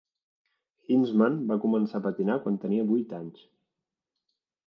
Hinzmann va començar a patinar quan tenia vuit anys.